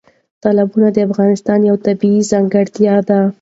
تالابونه د افغانستان یوه طبیعي ځانګړتیا ده.